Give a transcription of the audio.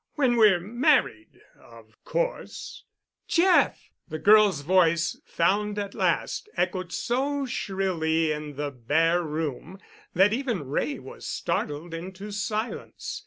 When we're married of course——" "Jeff!" The girl's voice, found at last, echoed so shrilly in the bare room that even Wray was startled into silence.